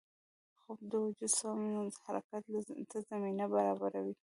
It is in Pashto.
خوب د وجود سم حرکت ته زمینه برابروي